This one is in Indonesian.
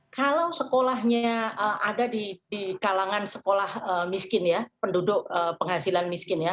kalau sekolahnya ada di kalangan sekolah miskin ya penduduk penghasilan miskin ya